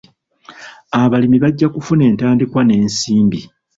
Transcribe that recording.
Abalimi bajja kufuna entandikwa n'ensimbi.